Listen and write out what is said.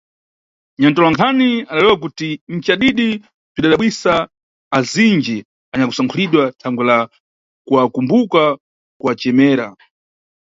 Nyantolankhani adalewa kuti ncadidi bzwidadabwisa azindji anyakusankhulidwa "thangwe la kuwakumbuka kuwacemera".